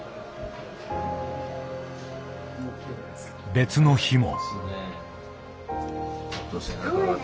別の日も。